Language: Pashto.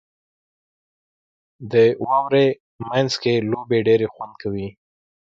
• د واورې مینځ کې لوبې ډېرې خوند کوي.